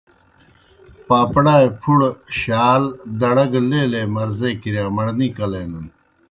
پاپڑائے پُھڑہ شال، دڑہ گہ لیلے مرضے کِرِیا مڑنے کلینَن۔